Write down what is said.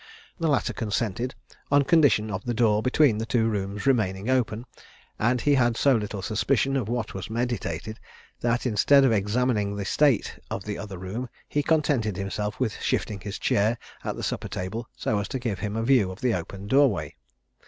The latter consented, on condition of the door between the two rooms remaining open; and he had so little suspicion of what was meditated, that, instead of examining the state of the other room, he contented himself with shifting his chair at the supper table, so as to give him a view of the open door way.